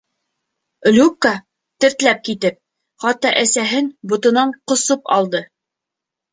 Любка, тертләп китеп, хатта әсәһен ботонан ҡосоп алды.